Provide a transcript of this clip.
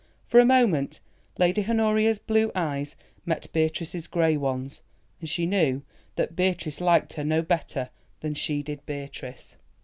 For a moment Lady Honoria's blue eyes met Beatrice's grey ones, and she knew that Beatrice liked her no better than she did Beatrice.